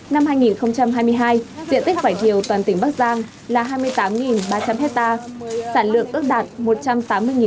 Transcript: năm hai nghìn hai mươi hai diện tích vải thiều toàn tỉnh bắc giang là hai mươi tám ba trăm linh hectare sản lượng ước đạt một trăm tám mươi tấn